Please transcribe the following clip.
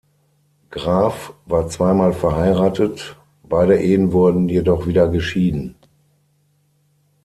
Graf war zweimal verheiratet, beide Ehen wurden jedoch wieder geschieden.